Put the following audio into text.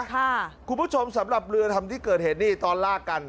คุณผู้ชมสำหรับเรือทำที่เกิดเหตุนี่ตอนลากกัน